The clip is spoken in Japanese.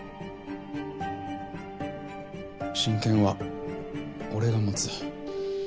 親権は俺が持つ。